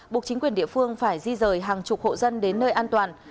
buộc chính quyền địa phương phải di rời hàng chục hộ dân đến nơi an toàn